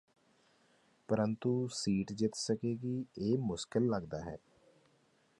ਪਰੰਤੂ ਸੀਟ ਜਿੱਤ ਸਕੇਗੀ ਇਹ ਮੁਸ਼ਕਲ ਲਗਦਾ ਹੈ